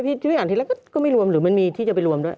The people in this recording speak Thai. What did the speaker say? ที่พี่อ่านทีแรกก็ไม่รวมหรือมันมีที่จะไปรวมด้วย